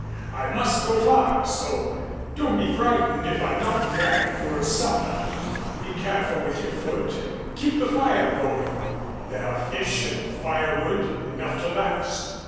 I must go far, so don't be frightened if I'm not back for supper. Be careful with your foot and keep the fire going. There are fish and firewood enough to last.